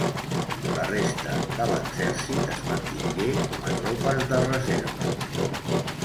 La resta de l'exèrcit es mantingué com a tropes de reserva.